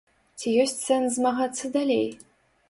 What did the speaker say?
Ці ёсць сэнс змагацца далей?